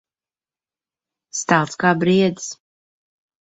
Stalts kā briedis.